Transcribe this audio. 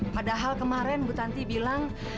padahal kemarin bu tanti bilang